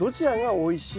おいしい？